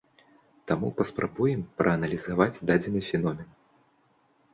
Таму паспрабуем прааналізаваць дадзены феномен.